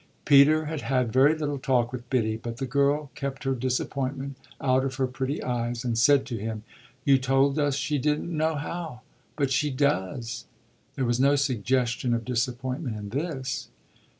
Peter had had very little talk with Biddy, but the girl kept her disappointment out of her pretty eyes and said to him: "You told us she didn't know how but she does!" There was no suggestion of disappointment in this.